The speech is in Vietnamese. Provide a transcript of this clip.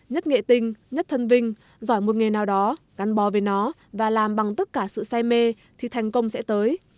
nhất nghệ tinh nhất thân vinh giỏi một nghề nào đó gắn bò với nó và làm bằng tất cả sự say mê thì thành công sẽ tới